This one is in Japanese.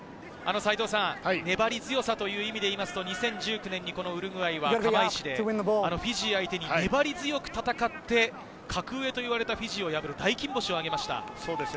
粘り強さという意味でいいますと、２０１９年にウルグアイは釜石でフィジー相手に粘り強く戦って、格上といわれたフィジーを破る大金星を挙げました。